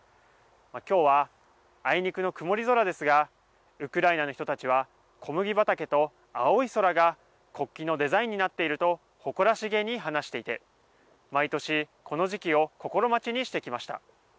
きょうはあいにくの曇り空ですがウクライナの人たちは小麦畑と青い空が国旗のデザインになっていると誇らしげに話していて毎年この時期を心待ちにしてきました。